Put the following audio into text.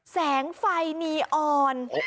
แสงไฟนีออน